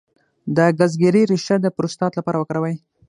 د ګزګیرې ریښه د پروستات لپاره وکاروئ